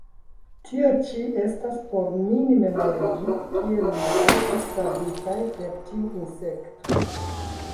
Tio ĉi estas, por min memorigi, kiel ni estis savitaj per tiu ĉi insekto.